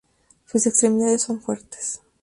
Sus extremidades son fuertes.